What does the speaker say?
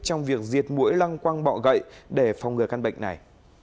trong việc diệt mũi lăng quang bọ gậy để phòng ngừa căn bệnh này